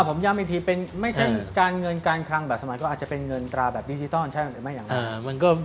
ผมย่ำอีกทีเป็นไม่ใช่การเงินการคลังแบบสมัยก็อาจจะเป็นเงินตราแบบดิจิทัลใช่ไหมอย่างนั้น